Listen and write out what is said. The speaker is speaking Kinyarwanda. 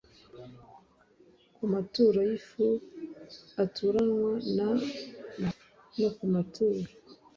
ku maturo y ifu aturanwa na byo no ku maturo